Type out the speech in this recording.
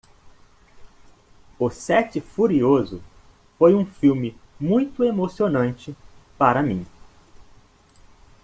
O sete furioso foi um filme muito emocionante para mim.